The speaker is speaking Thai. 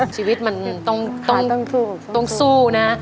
ชีวิตมันต้องสู้นะ